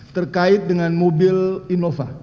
terkait dengan mobil innova